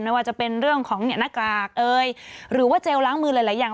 ไม่ว่าจะเป็นเรื่องของหน้ากากเอยหรือว่าเจลล้างมือหลายอย่าง